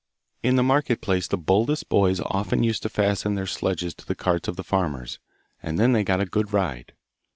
In the market place the boldest boys used often to fasten their sledges to the carts of the farmers, and then they got a good ride.